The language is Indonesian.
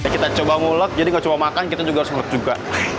kita coba mulut jadi nggak coba makan kita juga harus mulut juga